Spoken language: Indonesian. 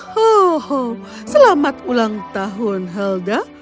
hoho selamat ulang tahun helda